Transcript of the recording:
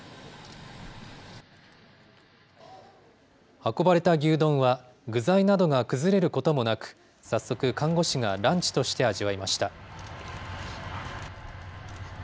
運ばれた牛丼は、具材などが崩れることもなく、早速看護師がランチとして味わいました。